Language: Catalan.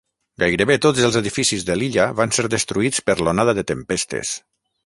Gairebé tots els edificis de l'illa van ser destruïts per l'onada de tempestes.